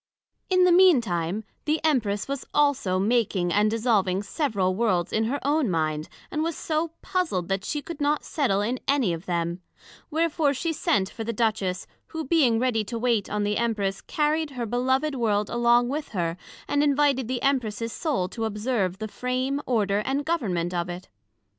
In the mean time the Empress was also making and dissolving several Worlds in her own mind, and was so puzled, that she could not settle in any of them; wherefore she sent for the Duchess, who being ready to wait on the Empress, carried her beloved World along with her, and invited the Empress's Soul to observe the Frame, Order and Government of it.